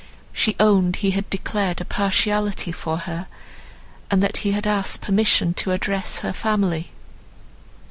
She owned he had declared a partiality for her, and that he had asked permission to address her family.